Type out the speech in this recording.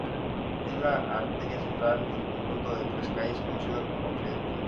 Es la arteria central del conjunto de tres calles conocido como Tridente.